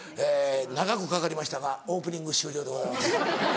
長くかかりましたがオープニング終了でございます。